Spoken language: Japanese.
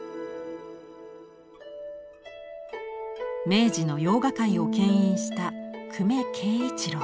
明治の洋画界をけん引した久米桂一郎。